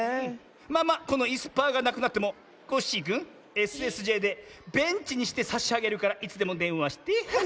まあまあこのいすパーがなくなってもコッシーくんＳＳＪでベンチにしてさしあげるからいつでもでんわして。